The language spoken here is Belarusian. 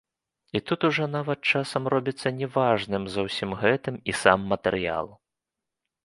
І тут ужо нават часам робіцца не важным за ўсім гэтым і сам матэрыял.